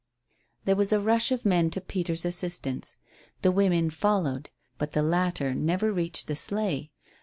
There was a rush of men to Peter's assistance. The women followed. But the latter never reached the sleigh.